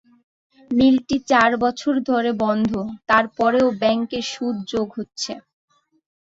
মিলটি চার বছর ধরে বন্ধ, তার পরও ব্যাংকের সুদ যোগ হচ্ছে।